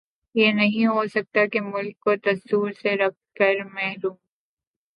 یہ نہیں ہو سکتا کہ ملک کو دستور سےرکھ کر محروم